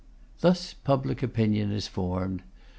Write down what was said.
Thus public opinion is formed.